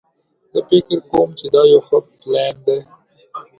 زه فکر کوم چې دا یو ښه پلان ده